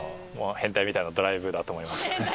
変態みたいなドライブだと思いますね。